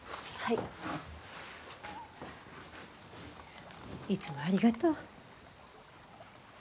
いつもありがとう。